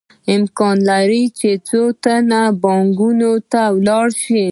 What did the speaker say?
امکان لري څو تنه بانکونو ته ورشي